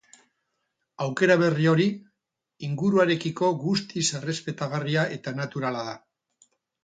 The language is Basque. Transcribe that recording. Aukera berri hori inguruarekiko guztiz errespetagarria eta naturala da.